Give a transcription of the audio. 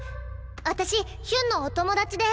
私ヒュンのお友達で。